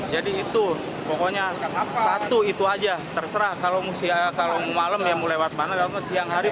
jadi itu pokoknya satu itu aja terserah kalau musia kalau malam yang melewat mana siang hari